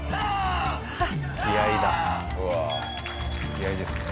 気合ですね。